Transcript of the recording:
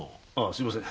すみません。